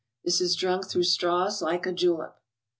This is drunk through straws like a julep.